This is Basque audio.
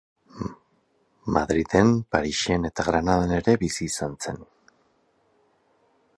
Madrilen, Parisen eta Granadan ere bizi izan zen.